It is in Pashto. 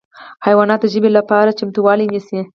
حیوانات د ژمي لپاره چمتووالی نیسي.